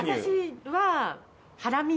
私は。